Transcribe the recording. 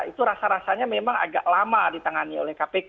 itu rasa rasanya memang agak lama ditangani oleh kpk